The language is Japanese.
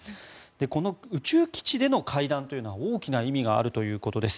この宇宙基地での会談というのは大きな意味があるということです。